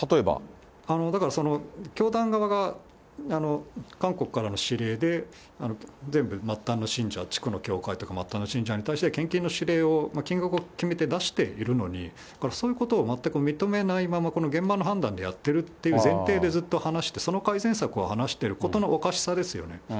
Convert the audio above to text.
だから、教団側が韓国からの指令で、全部末端の信者、地区の教会とか末端の信者に対して献金の指令を、金額を決めて出しているのに、そういうことを全く認めないまま、現場の判断でやってるっていう前提でずっと話して、その改善策を話してることのおかしさですよね。